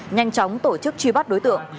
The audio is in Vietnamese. nhanh chóng tổ chức truy bắt đối tượng